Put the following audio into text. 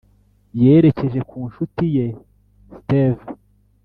yerekeje ku nshuti ye steve